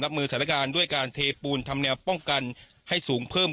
มือสถานการณ์ด้วยการเทปูนทำแนวป้องกันให้สูงเพิ่ม